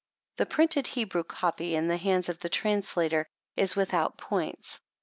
The printed Hebrew copy, in the hands of the translator, is without points.